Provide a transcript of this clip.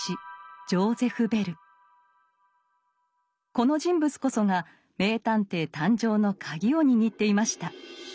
この人物こそが名探偵誕生のカギを握っていました。